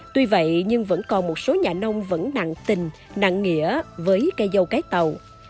tuy vậy nhưng vẫn còn một số nhà nông vẫn nặng tình nặng nghĩa với cây dâu cái tàu